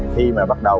khi mà bắt đầu